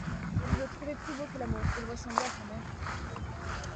Je le trouvais plus beau que l'Amour : il ressemblait à sa mère.